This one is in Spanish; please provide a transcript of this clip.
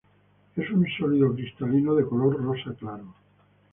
Es un sólido cristalino de color rosa claro.